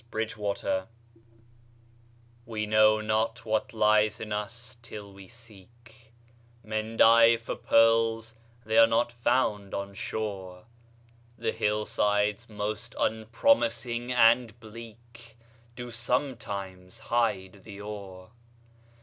HIDDEN GEMS We know not what lies in us, till we seek; Men dive for pearls—they are not found on shore, The hillsides most unpromising and bleak Do sometimes hide the ore.